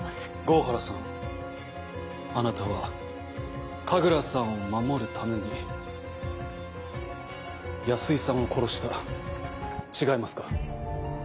郷原さんあなたは神楽さんを守るために安井さんを殺した違いますか？